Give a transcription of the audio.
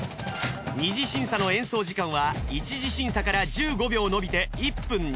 二次審査の演奏時間は一次審査から１５秒延びて１分に。